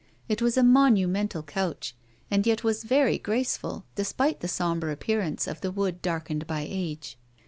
It was a monumental couch, and yet was very graceful, despite the sombre appearance of the wood darkened by age.